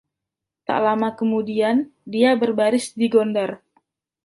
Tak lama kemudian, dia berbaris di Gondar.